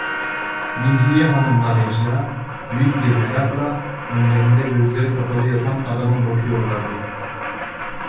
Mihriye hanımla Necla, büyük bir merakla, önlerinde gözleri kapalı yatan adama bakıyorlardı.